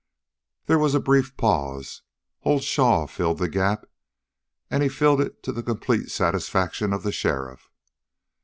There was a brief pause. Old Shaw filled the gap, and he filled it to the complete satisfaction of the sheriff.